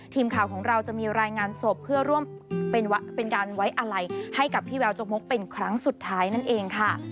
ทีมข่าวจะมีรายงานสดเพื่อร่วมเป็นการไว้อะไรให้กับพี่แววจกมกเป็นครั้งสุดท้ายนั่นเองค่ะ